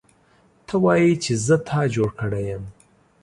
ته وایې چې زه تا جوړ کړی یم